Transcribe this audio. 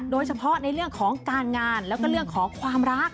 โดยเฉพาะในเรื่องของการงานแล้วก็เรื่องของความรัก